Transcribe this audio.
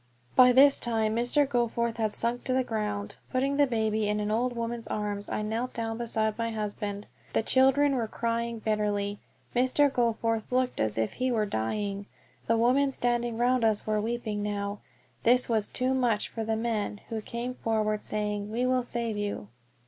By this time Mr. Goforth had sunk to the ground. Putting the baby in an old woman's arms, I knelt down beside my husband. The children were crying bitterly. Mr. Goforth looked as if he were dying. The women standing round us were weeping now. This was too much for the men, who came forward saying, "We will save you."